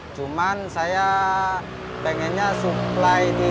cuma saya pengennya supply tisu